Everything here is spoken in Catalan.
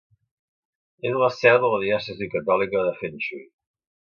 És la seu de la diòcesi catòlica d'Hengshui.